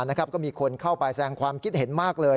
ก็มีคนเข้าไปแสงความคิดเห็นมากเลย